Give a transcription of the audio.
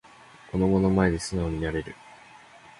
子供の前で素直になれる